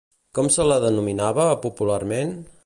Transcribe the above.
Com se la denominava, popularment?